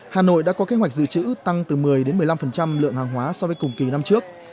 hà nội đã có kế hoạch dự trữ tăng từ một mươi một mươi năm lượng hàng hóa so với cùng kỳ năm trước